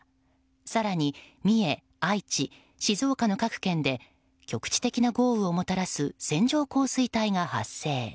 更に三重、愛知、静岡の各県で局地的な豪雨をもたらす線状降水帯が発生。